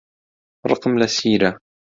ڕقم لە سیرە.